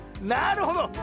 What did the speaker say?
なるほど！